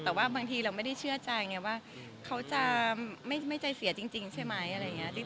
แต่ว่าบางทีเราไม่ได้เชื่อใจไงว่าเขาจะไม่ใจเสียจริงใช่ไหมอะไรอย่างนี้